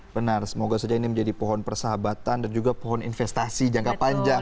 benar semoga saja ini menjadi pohon persahabatan dan juga pohon investasi jangka panjang